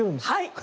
はい！